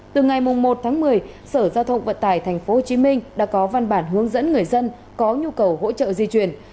từ ngày một tháng một mươi sở giao thông vận tải tp hcm đã có văn bản hướng dẫn người dân có nhu cầu hỗ trợ di chuyển